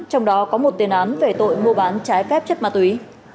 trong đó có một tiền án về tội mua bán trái phép chất ma túy